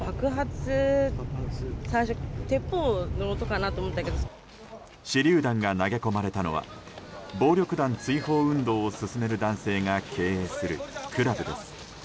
手りゅう弾が投げ込まれたのは暴力団追放運動を進める男性が経営するクラブです。